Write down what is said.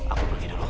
aku pergi dulu kak